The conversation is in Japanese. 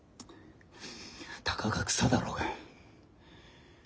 たかが草だろうが。